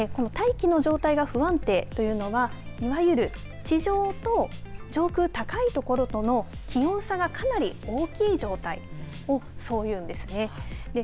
大気の状態が不安定というのはいわゆる地上と上空高いところとの気温差が、かなり大きい状態をそう言うんですね。